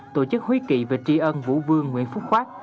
tổ chức huy kỵ về tri ân vũ vương nguyễn phúc khoác